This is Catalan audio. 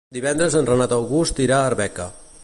Divendres en Renat August irà a Arbeca.